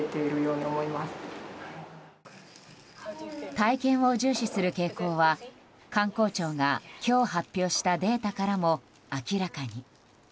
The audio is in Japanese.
体験を重視する傾向は観光庁が今日発表したデータからも明らかに。